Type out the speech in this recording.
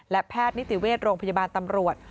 และแพทย์นิติเวชโรงพยาบาลตำรวจ